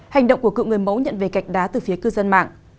hành động của cựu người mẫu nhận về gạch đá từ phía cư dân mạng